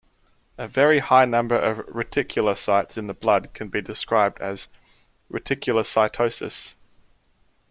A very high number of reticulocytes in the blood can be described as reticulocytosis.